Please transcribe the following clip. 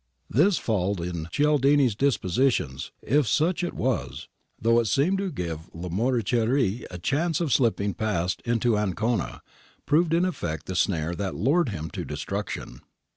'^ This fault in Cialdini's dispositions, if such it was, though it seemed to give Lamoriciere a chance of slipping past into Ancona, proved in effect the snare that lured him to destruction.